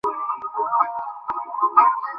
আরে প্রতিভা আছে।